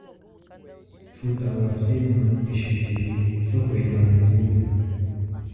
Thutha wasema keshi kuli sohwela mukunyi.